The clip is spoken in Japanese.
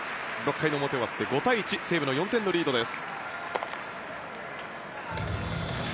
６回の表終わって５対１西武４点のリードです。